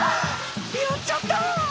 やっちゃったー！